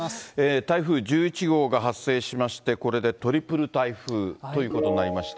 台風１１号が発生しまして、これでトリプル台風ということになりました。